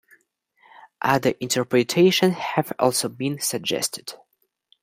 Other interpretations have also been suggested.